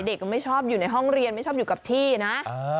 เด็กก็ไม่ชอบอยู่ในห้องเรียนไม่ชอบอยู่กับที่นะ